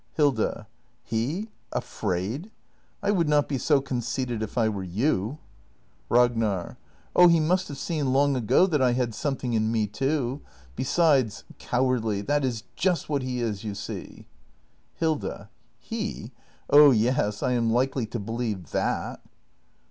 Hilda. H e afraid! I would not be so conceited if I were you. act in] THE MASTER BUILDER 415 Ragnar. Oh, he must have seen long ago that I had something in me, too. Besides — cowardly — that is just what he is, you see. Hilda. He! Oh yes, I am likely to believe that!